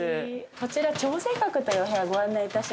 こちら長生閣というお部屋ご案内致します。